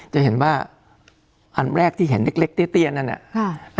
จะเห็นว่าอันแรกที่เห็นเล็กเตี้ยนั่นน่ะ